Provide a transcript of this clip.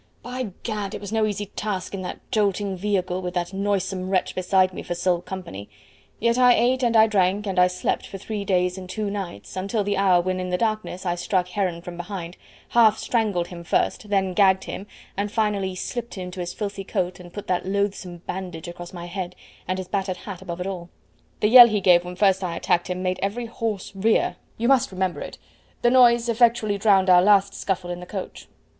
By Gad! it was no easy task in that jolting vehicle with that noisome wretch beside me for sole company; yet I ate and I drank and I slept for three days and two nights, until the hour when in the darkness I struck Heron from behind, half strangled him first, then gagged him, and finally slipped into his filthy coat and put that loathsome bandage across my head, and his battered hat above it all. The yell he gave when first I attacked him made every horse rear you must remember it the noise effectually drowned our last scuffle in the coach.